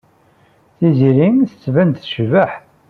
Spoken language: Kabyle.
Tiziri tettban-d tecbeḥ.